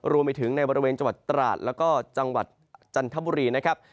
รวมไปถึงในบริเวณจังหวัดตราดแล้วก็จังหวัดจันทบุรีนะครับ